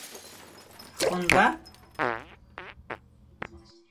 Хъунба?